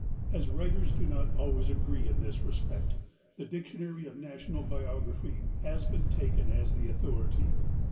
As writers do not always agree in this respect, "The Dictionary of National Biography" has been taken as the authority.